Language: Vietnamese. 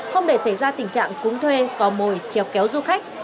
không để xảy ra tình trạng cúng thuê có mồi trèo kéo du khách